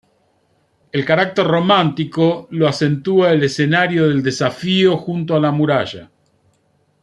El carácter romántico lo acentúa el escenario del desafío junto a la muralla.